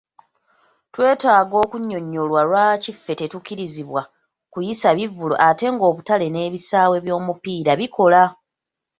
Twetaaga okunnyonyolwa lwaki ffe tetukkirizibwa kuyisa bivvulu ate ng'obutale n'ebisaawe by'omupiira bikola.